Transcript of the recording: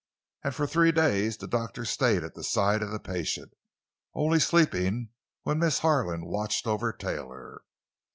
And for three days the doctor stayed at the side of the patient, only sleeping when Miss Harlan watched over Taylor.